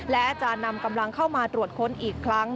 และจะนำกำลังเข้ามาตรวจค้นอีกครั้ง